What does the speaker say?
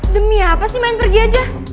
demi apa sih main pergi aja